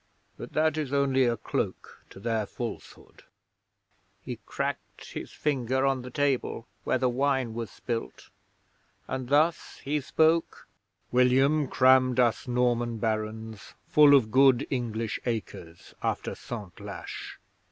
But that is only a cloak to their falsehood." He cracked his finger on the table, where the wine was spilt, and thus he spoke: '"William crammed us Norman barons full of good English acres after Santlache.